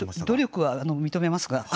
努力は認めますが。